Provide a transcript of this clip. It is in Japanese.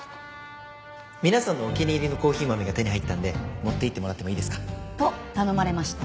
皆さんのお気に入りのコーヒー豆が手に入ったんで持っていってもらってもいいですか？と頼まれました。